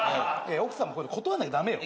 奥さんも断んなきゃ駄目よ。